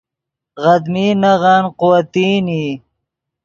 غدمین نغن قوتین ای